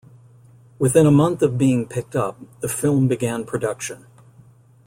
Within a month of being picked up, the film began production.